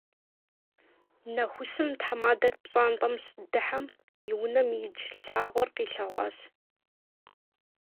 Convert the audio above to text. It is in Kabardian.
Нэхущым тхьэмадэр пщӀантӀэм щыдыхьэм, и унэм икӀ лъагъуэр къигъуэтащ.